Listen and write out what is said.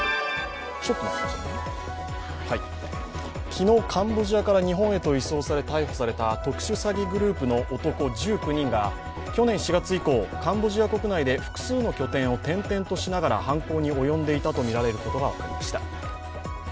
昨日カンボジアから日本へと移送され逮捕された特殊詐欺グループの男１９人が去年４月以降、カンボジア国内で複数の拠点を転々としながら犯行に及んでいたとみられることが分かりました。